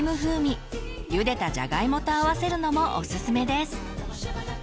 ゆでたじゃがいもと合わせるのもオススメです！